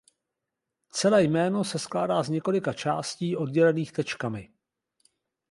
Celé jméno se skládá z několika částí oddělených tečkami.